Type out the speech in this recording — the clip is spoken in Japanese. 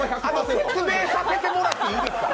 説明させてもらっていいですか。